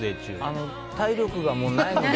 体力がもうないので。